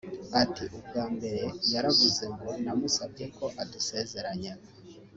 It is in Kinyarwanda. ati “Ubwa mbere yaravuze ngo namusabye ko adusezeranya